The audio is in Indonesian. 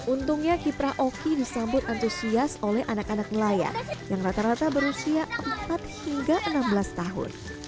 untungnya kiprah oki disambut antusias oleh anak anak nelayan yang rata rata berusia empat hingga enam belas tahun